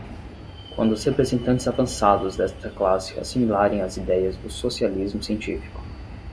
Quando os representantes avançados desta classe assimilarem as ideias do socialismo científico